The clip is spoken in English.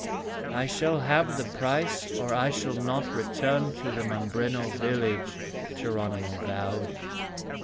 "I shall have the price or I shall not return to the Mimbreno village," Geronimo vowed.